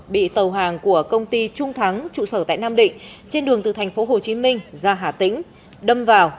bị tàu hàng của công ty trung thắng trụ sở tại nam định trên đường từ tp hcm ra hà tĩnh đâm vào